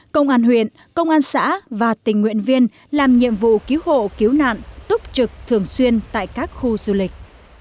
công an huyện công an xã và tình nguyện viên làm nhiệm vụ cứu hộ cứu nạn túc trực thường xuyên tại các khu du lịch